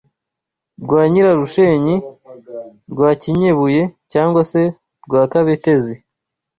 Rwanyirarushenyi, Rwakinyebuye cyangwa se Rwakabetezi